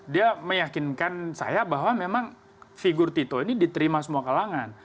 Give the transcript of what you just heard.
dia meyakinkan saya bahwa memang figur tito ini diterima semua kalangan